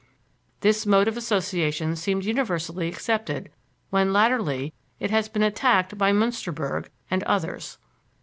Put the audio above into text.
This mode of association seemed universally accepted when, latterly, it has been attacked by Münsterberg and others.